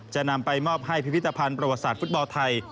จะนำไปมอบให้พิพิธภัณฑ์ประวัติศาสตร์ฟุตบอลไทย